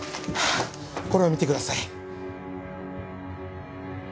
これを見てください。